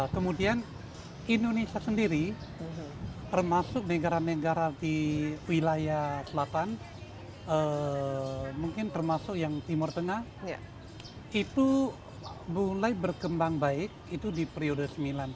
kemudian indonesia sendiri termasuk negara negara di wilayah selatan mungkin termasuk yang timur tengah itu mulai berkembang baik itu di periode sembilan